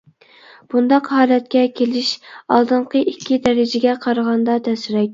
بۇنداق ھالەتكە كېلىش ئالدىنقى ئىككى دەرىجىگە قارىغاندا تەسرەك.